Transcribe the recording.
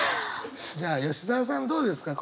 じゃあ吉澤さんどうですか？